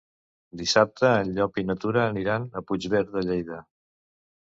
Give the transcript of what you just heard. Dissabte en Llop i na Tura aniran a Puigverd de Lleida.